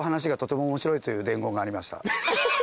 という伝言がありました。